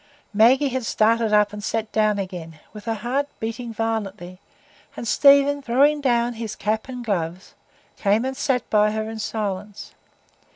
Maggie had started up and sat down again, with her heart beating violently; and Stephen, throwing down his cap and gloves, came and sat by her in silence.